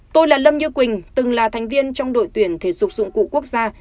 tôi là lâm như quỳnh từng là thành viên trong đội tuyển thể dục dụng cụ quốc gia